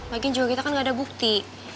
lagi juga kita kan gak ada bukti